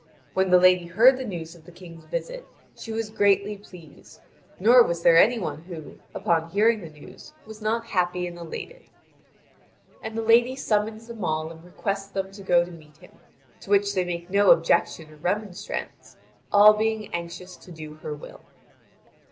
When the lady heard the news of the King's visit she was greatly pleased; nor was there any one who, upon hearing the news, was not happy and elated. And the lady summons them all and requests them to go to meet him, to which they make no objection or remonstrance, all being anxious to do her will.